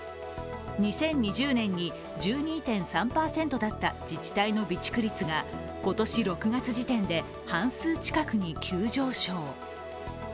２０２０年に１２．３％だった自治体の備蓄率が今年６月時点で半数近くに急上昇。